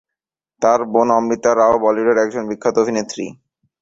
তাঁর বোন অমৃতা রাও বলিউডের একজন বিখ্যাত অভিনেত্রী।